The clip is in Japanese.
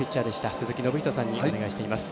鈴木信人さんにお願いしております。